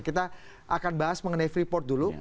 kita akan bahas mengenai freeport dulu